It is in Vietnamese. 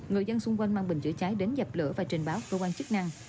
người dân xung quanh mang bình chữa cháy đến dập lửa và trình báo cơ quan chức năng